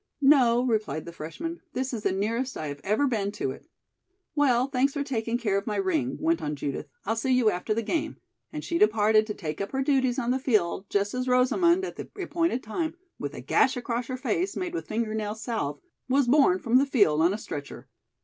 "No," replied the freshman, "this is the nearest I have ever been to it." "Well, thanks for taking care of my ring," went on Judith. "I'll see you after the game," and she departed to take up her duties on the field, just as Rosamond, at the appointed time, with a gash across her face, made with finger nail salve, was borne from the field on a stretcher.